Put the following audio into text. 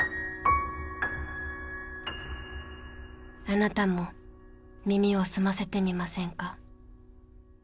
あなたも耳を澄ませてみませんか。